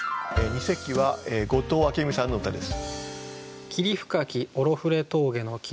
二席は後藤明美さんの歌です。